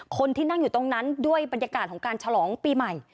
คนที่นั่งอยู่ตรงนั้นด้วยบรรยากาศของการฉลองปีใหม่